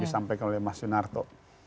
disampaikan oleh mas sunarto